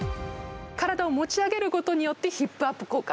体を持ち上げることによって、ヒップアップ効果。